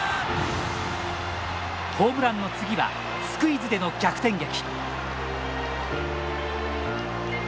ホームランの次はスクイズでの逆転劇。